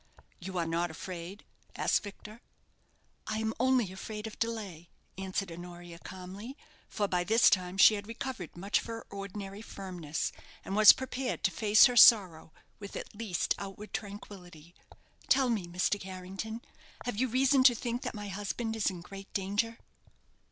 "You are not afraid?" asked Victor. "I am only afraid of delay," answered Honoria, calmly; for by this time she had recovered much of her ordinary firmness, and was prepared to face her sorrow with at least outward tranquillity. "Tell me, Mr. Carrington, have you reason to think that my husband is in great danger?"